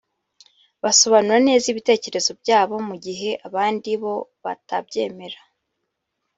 basobanura neza ibitekerezo byabo, mu gihe abandi bo batabyemera